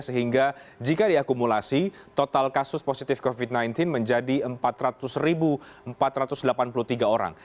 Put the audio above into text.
sehingga jika diakumulasi total kasus positif covid sembilan belas menjadi empat ratus empat ratus delapan puluh tiga orang